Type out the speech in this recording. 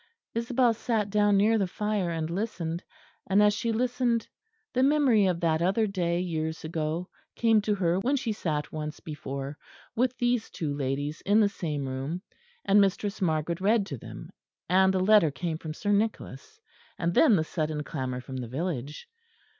Isabel sat down near the fire and listened; and as she listened the memory of that other day, years ago, came to her when she sat once before with these two ladies in the same room, and Mistress Margaret read to them, and the letter came from Sir Nicholas; and then the sudden clamour from the village.